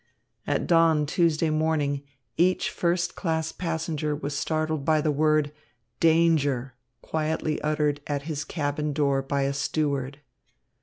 At dawn Tuesday morning, each first class passenger was startled by the word, "Danger!" quietly uttered at his cabin door by a steward.